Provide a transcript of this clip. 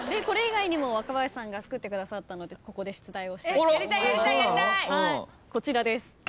これ以外にも若林さんが作ってくださったのでここで出題をしたいと思います。